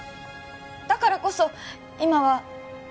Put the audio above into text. だからこそ今は